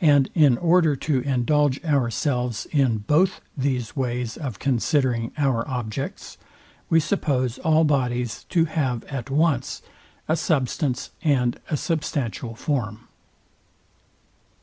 And in order to indulge ourselves in both these ways of considering our objects, we suppose all bodies to have at once a substance and a substantial form.